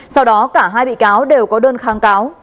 sau đó cả hai bị cáo đều có đơn kháng cáo